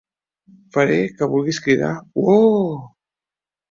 Faré que vulguis cridar "Uoooo!".